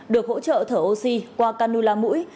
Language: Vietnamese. được hỗ trợ thở oxy qua canula mũi